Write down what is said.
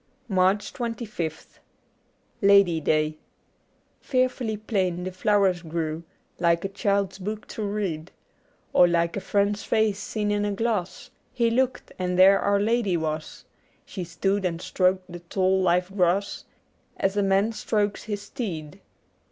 90 MARCH 25th LADY DAY FEARFULLY plain the flowers grew, Like a child's book to read, Or like a friend's face seen in a glass. He looked, and there Our Lady was ; She stood and stroked the tall live grass As a man strokes his steed.